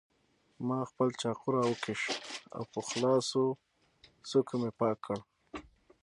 ما خپل چاقو راوکېښ او په خلاصو څوکو مې پاک کړ.